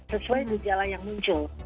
sesuai gejala yang muncul